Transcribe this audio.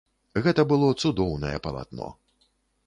Гэта было цудоўнае палатно.